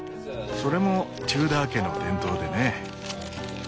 それもテューダー家の伝統でね。